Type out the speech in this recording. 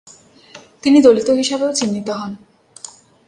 তিনি দলিত হিসাবেও চিহ্নিত হন।